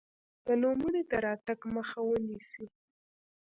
د نوموړي د راتګ مخه ونیسي.